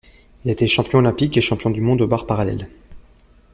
Il a été champion olympique et champion du monde aux barres parallèles.